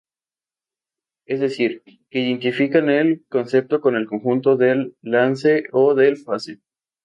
Es decir, que identifican el concepto con el conjunto del lance o del pase.